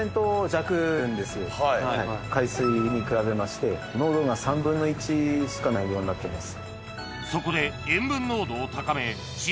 海水に比べまして濃度が３分の１しかないようになってます。